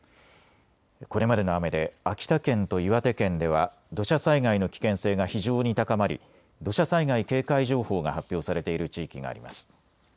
これまでの雨で秋田県と岩手県では土砂災害の危険性が非常に高まり土砂災害警戒情報が発表されている地域があります。